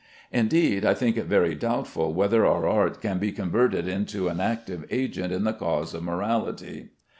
Indeed, I think it very doubtful whether our art can be converted into an active agent in the cause of morality.